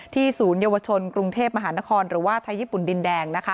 ศูนยวชนกรุงเทพมหานครหรือว่าไทยญี่ปุ่นดินแดง